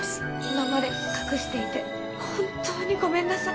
今まで隠していて本当にごめんなさい。